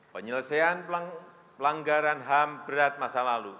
penyelesaian pelanggaran ham berat masa lalu